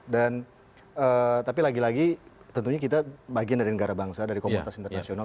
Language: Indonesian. dan tapi lagi lagi tentunya kita bagian dari negara bangsa dari komunitas internasional